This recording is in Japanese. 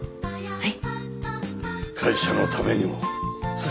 はい！